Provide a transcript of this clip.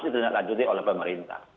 ditelanjutkan oleh pemerintah